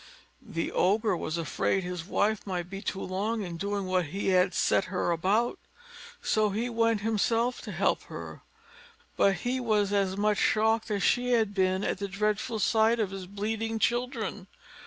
The Ogre was afraid his wife might be too long in doing what he had set her about, so he went himself to help her; but he was as much shocked as she had been at the dreadful sight of his bleeding children.